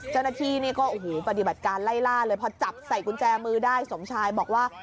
เจ้าหน้าที่นี่ก็โอ้โหปฏิบัติการไล่ล่าเลยพอจับใส่กุญแจมือได้สมชายบอกว่า